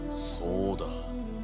そうだ。